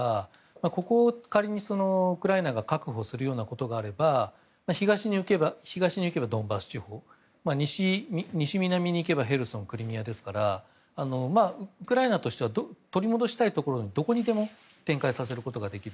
ここを仮に、ウクライナが確保するようなことがあれば東に行けばドンバス地方西、南に行けばヘルソン、クリミアですからウクライナとしては取り戻したいところでそうすれば、どこにでも展開させることができる。